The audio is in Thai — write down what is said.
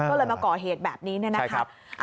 ก็เลยมาก่อเหตุแบบนี้เนี่ยนะครับใช่ครับ